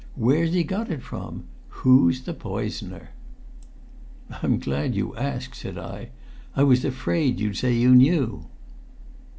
Where's he got it from? Who's the poisoner?" "I'm glad you ask," said I. "I was afraid you'd say you knew."